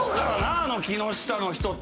あの木下の人と。